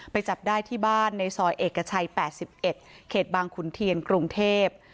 ไปจับได้ที่บ้านในซอยเอกชัยแปดสิบเอ็ดเขตบางขุนเทียนกรุงเทพ